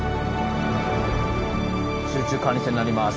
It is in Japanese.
集中管理船になります。